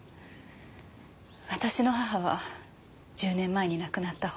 私の母は１０年前に亡くなった本妻。